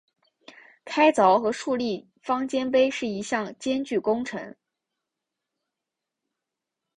开凿和竖立方尖碑是一项艰巨工程。